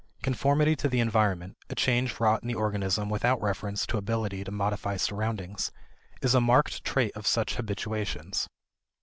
Conformity to the environment, a change wrought in the organism without reference to ability to modify surroundings, is a marked trait of such habituations.